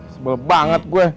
sebel banget gue